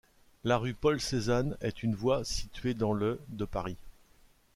La rue Paul-Cézanne est une voie située dans le de Paris.